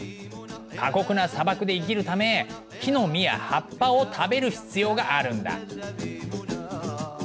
過酷な砂漠で生きるため木の実や葉っぱを食べる必要があるんだ。